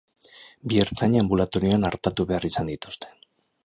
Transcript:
Bi ertzaina anbulatorioan artatu behar izan dituzte.